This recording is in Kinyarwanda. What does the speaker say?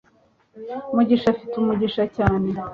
mugisha afite umugisha cyane